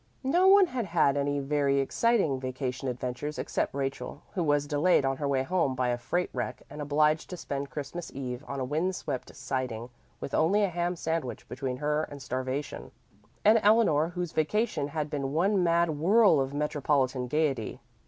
No one had had any very exciting vacation adventures except Rachel, who was delayed on her way home by a freight wreck and obliged to spend Christmas eve on a windswept siding with only a ham sandwich between her and starvation, and Eleanor, whose vacation had been one mad whirl of metropolitan gaiety.